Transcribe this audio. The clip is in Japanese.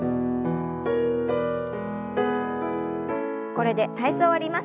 これで体操を終わります。